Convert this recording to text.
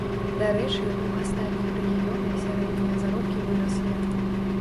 Дарэчы, у астатніх рэгіёнах сярэднія заробкі выраслі.